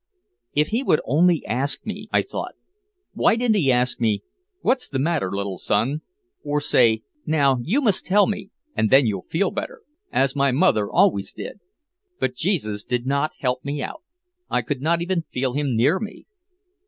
"If he would only ask me," I thought. Why didn't he ask me, "What's the matter, little son?" or say, "Now, you must tell me and then you'll feel better" as my mother always did. But Jesus did not help me out. I could not even feel him near me.